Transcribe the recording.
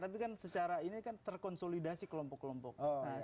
tapi kan secara ini kan terkonsolidasi kelompok kelompok